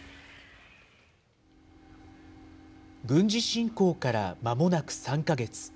軍事侵攻からまもなく３か月。